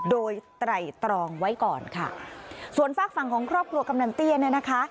โดยไตรตรองไว้ก่อนค่ะส่วนฝากฝั่งของครอบครัวกำนันเตี้ยเนี่ยนะคะ